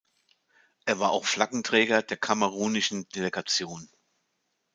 Er war auch Flaggenträger der kamerunischen Delegation.